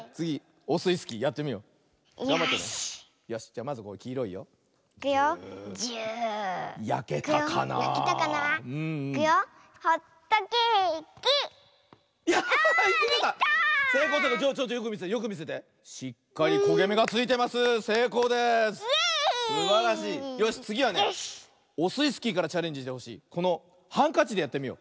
オスイスキーからチャレンジしてほしいこのハンカチでやってみよう。